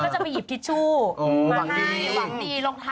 ขอยดอกนึง